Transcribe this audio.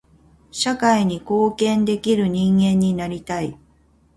社会に貢献できる人間になりたい。